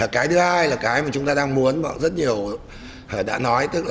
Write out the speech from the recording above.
cái thứ hai là cái mà chúng ta đang muốn bọn rất nhiều đã nói